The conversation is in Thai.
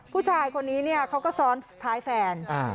ผู้ชายคนนี้เนี่ยเขาก็ซ้อนท้ายแฟน